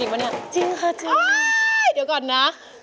ไม่ใช้